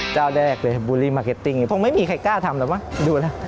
เจ้าแดกเลยบุรีมาร์เคติ้งคงไม่มีใครกล้าทำหรอกดูละ